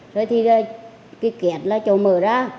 rồi thì cái kẹt là trộm mở ra